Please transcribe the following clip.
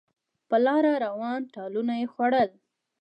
په لاره روان ټالونه یې خوړل